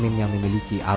memotong arah pelanggan